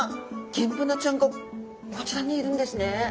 ギンブナちゃんがこちらにいるんですね。